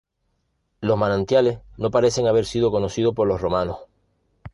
Los manantiales no parecen haber sido conocidos por los romanos.